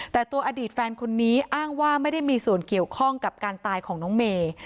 แต่ตัวอดีตแฟนคนนี้อ้างว่าไม่ได้มีส่วนเกี่ยวข้องกับการตายของน้องเมย์